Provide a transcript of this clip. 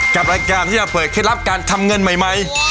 กับรายการที่จะเปิดเคล็ดลับการทำเงินใหม่